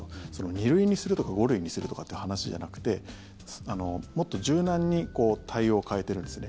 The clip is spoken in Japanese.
２類にするとか５類にするとかって話じゃなくてもっと柔軟に対応を変えてるんですよね。